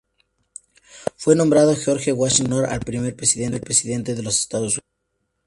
Fue nombrado George Washington, en honor al primer presidente de los Estados Unidos.